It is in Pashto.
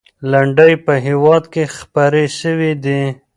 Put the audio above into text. لنډۍ په هېواد کې خپرې سوي دي.